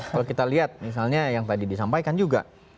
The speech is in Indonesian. kalau kita lihat misalnya yang tadi disampaikan juga